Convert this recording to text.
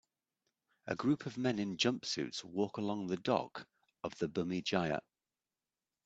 A group of men in jumpsuits walk along the dock of the Bumi Jaya.